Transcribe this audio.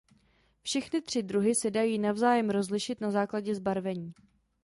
Všechny tři druhy se dají navzájem rozlišit na základě zbarvení.